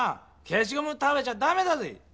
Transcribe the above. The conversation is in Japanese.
けしごむ食べちゃダメだぜぇ！